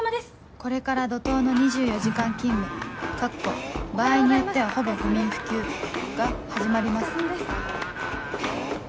これから怒涛の２４時間勤務カッコ場合によってはほぼ不眠不休が始まります